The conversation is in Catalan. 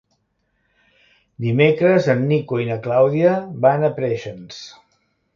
Dimecres en Nico i na Clàudia van a Preixens.